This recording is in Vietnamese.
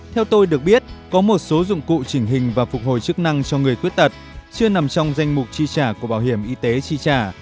theo tôi được biết có một số dụng cụ trình hình và phục hồi chức năng cho người khuyết tật chưa nằm trong danh mục chi trả của bảo hiểm y tế chi trả